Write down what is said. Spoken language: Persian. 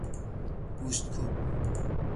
گوشتکوب